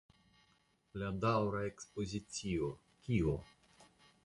La daŭra ekspozicio "Kio?